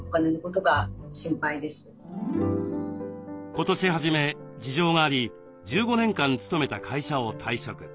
今年初め事情があり１５年間勤めた会社を退職。